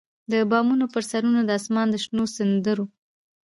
د بامونو پر سرونو د اسمان د شنو سندرو،